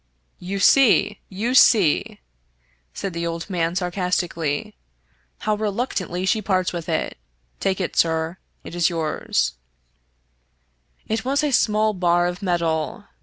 "You see — you see," said the old man sarcastically, "how reluctantly she parts with it. Take it, sir; it is yours," It was a small bar of metal.